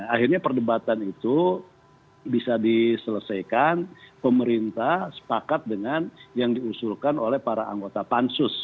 akhirnya perdebatan itu bisa diselesaikan pemerintah sepakat dengan yang diusulkan oleh para anggota pansus